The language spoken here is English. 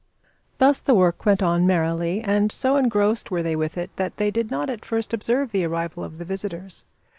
Thus the work went on merrily, and so engrossed were they with it that they did not at first observe the arrival of the visitors.